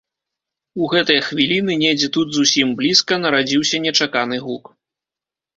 У гэтыя хвіліны, недзе тут зусім блізка, нарадзіўся нечаканы гук.